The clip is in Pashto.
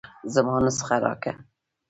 زما نسخه راکه.